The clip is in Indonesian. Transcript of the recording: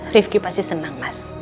rifki pasti senang mas